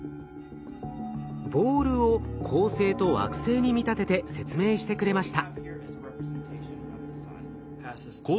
ボールを恒星と惑星に見立てて説明してくれました。